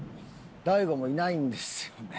大悟もいないんですよね。